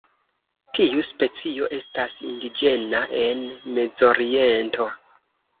Tiu specio estas indiĝena en Mezoriento.